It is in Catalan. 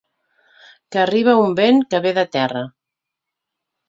Que arriba un vent que ve de terra.